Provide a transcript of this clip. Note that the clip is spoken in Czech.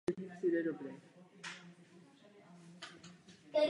Původně klub polských legionářů na východě.